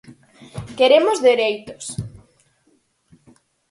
Queremos dereitos.